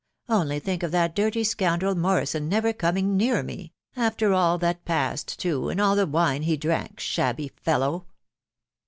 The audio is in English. ... Only think of that dirty scoundrel Morrison never coming near me .... after all that passed too, and all the wine he drank, shabby fellow